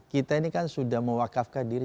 kita ini kan sudah mewakafkan diri